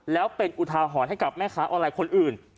แล้วเป็นอุทาหรณ์ให้กับแม่ค้าออนไลน์คนอื่น